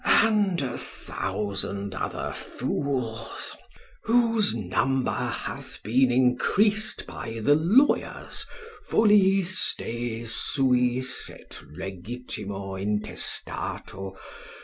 and a thousand other fools, whose number hath been increased by the lawyers ff. de suis, et legit l. intestato.